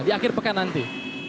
di akhir pekan nanti